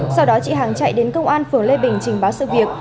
sau đó chị hằng chạy đến công an phường lê bình trình báo sự việc